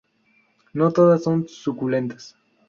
No todas son suculentas.